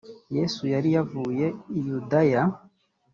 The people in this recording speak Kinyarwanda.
yesu yari yavuye i yudaya